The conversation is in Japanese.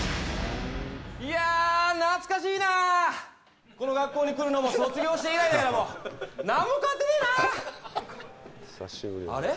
いや懐かしいなこの学校に来るのも卒業して以来だけども何も変わってねえなあれ？